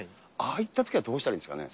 ああいったときはどうしたらいいんですかね。